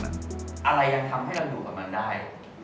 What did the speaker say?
อะไรยังทำให้เราอยู่กับมันได้